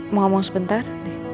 mau ngomong sebentar